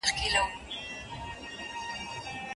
په لوی ښار کي یوه لویه وداني وه